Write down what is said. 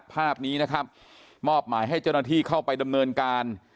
ภาพนี้นะครับมอบหมายให้เจ้าหน้าที่เข้าไปดำเนินการ